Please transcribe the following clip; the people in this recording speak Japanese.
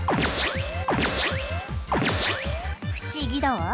不思議だわ。